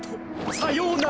さようなら。